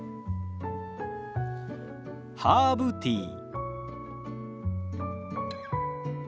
ハーブティー。